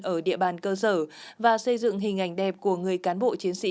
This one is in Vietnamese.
ở địa bàn cơ sở và xây dựng hình ảnh đặc biệt